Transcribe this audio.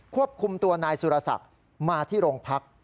ควบคุมตัวนายสุรศักดิ์มาที่โรงพัก